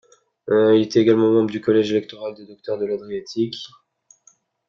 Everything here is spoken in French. Il était également membre du collège électoral des docteurs de l'Adriatique.